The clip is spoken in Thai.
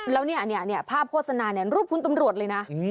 แล้วเนี่ยภาพโฆษณารูปคุณตำรวจเลยนะ